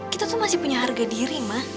kita tuh masih punya harga diri mbak